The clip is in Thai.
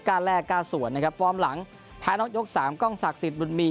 ก้าแร่กัสวนนะครับฟอร์มหลังแพ้นอกยกสามกล้องศักดิ์สิทธิ์บูธมีด